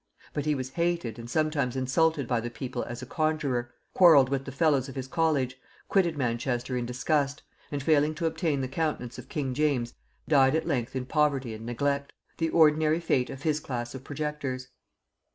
But he was hated and sometimes insulted by the people as a conjurer; quarrelled with the fellows of his college, quitted Manchester in disgust, and failing to obtain the countenance of king James died at length in poverty and neglect; the ordinary fate of his class of projectors.